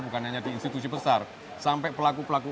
bukan hanya di institusi besar sampai pelaku pelaku